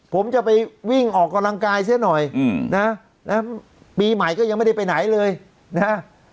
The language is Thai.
ผมจะไปวิ่งออกกำลังกายเสียหน่อยนะปีใหม่ก็ยังไม่ได้ไปไหนเลยนะฮะ